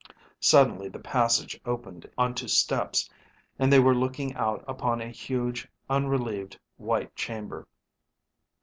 Suddenly the passage opened onto steps, and they were looking out upon a huge, unrelieved white chamber.